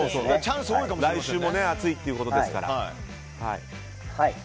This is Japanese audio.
来週も暑いってことですから。